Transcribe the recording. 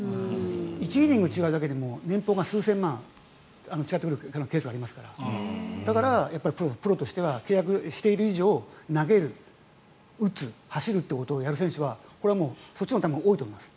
１イニング違うだけでも年俸が数千万違ってくるケースがありますからだからプロとしては契約している以上投げる、打つ、走ることをやる選手はそっちのほうが多いと思います。